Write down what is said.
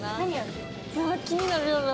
気になるよな。